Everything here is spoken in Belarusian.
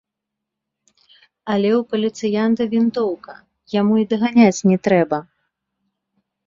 Але ў паліцыянта вінтоўка, яму і даганяць не трэба.